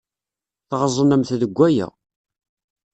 Tɣeẓnemt deg waya.